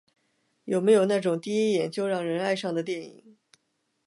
有没有那种第一眼就让人爱上的电影？